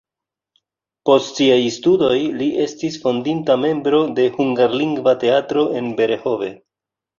Post siaj studoj li estis fondinta membro de hungarlingva teatro en Berehove.